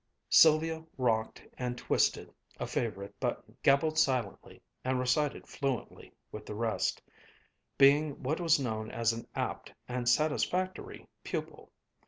Sylvia rocked and twisted a favorite button, gabbled silently, and recited fluently with the rest, being what was known as an apt and satisfactory pupil.